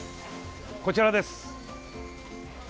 こちらです。